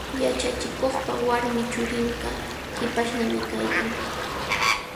Yachachikuqpa warmi churinqa hipashnami kaykan.